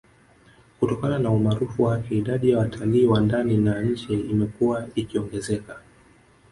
Kutokana na umaarufu wake idadi ya watalii wa ndani na nje imekuwa ikiongezeka